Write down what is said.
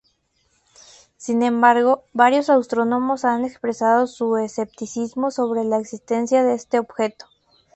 Sin embargo, varios astrónomos han expresado su escepticismo sobre la existencia de este objeto..